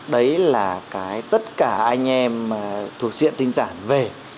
đấy là cái tất cả anh em thuộc diện tinh giảm về